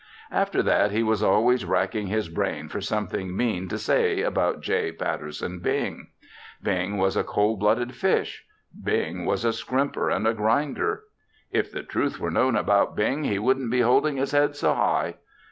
After that he was always racking his brain for something mean to say about J. Patterson Bing. Bing was a cold blooded fish. Bing was a scrimper and a grinder. If the truth were known about Bing he wouldn't be holding his head so high.